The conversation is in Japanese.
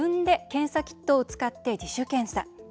検査キットを使って自主検査。